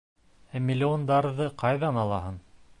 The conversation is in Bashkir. Ә миллиондарҙы ҡайҙан алаһың?